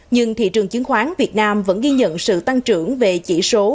nhưng thị trường chứng khoán việt nam vẫn ghi nhận sự tăng trưởng về chỉ số